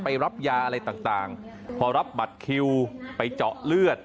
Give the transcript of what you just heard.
รับยาอะไรต่างพอรับบัตรคิวไปเจาะเลือด